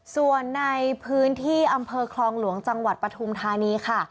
ส่วนในพื้นที่อำเภอคลองหลวงจังหวัดปฐุมธานีค่ะ